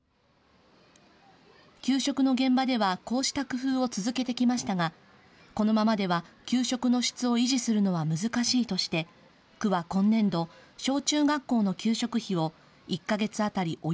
給食の現場ではこうした工夫を続けてきましたが、このままでは給食の質を維持するのは難しいとして区は今年度、小中学校の給食費を１か月当たり